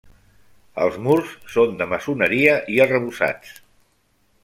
Els murs són de maçoneria i arrebossats.